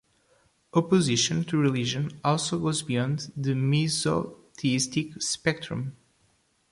Opposition to religion also goes beyond the misotheistic spectrum.